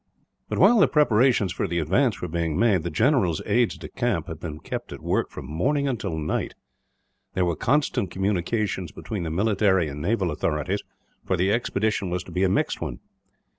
But while the preparations for the advance were being made, the general's aides de camp had been kept at work from morning until night. There were constant communications between the military and naval authorities, for the expedition was to be a mixed one.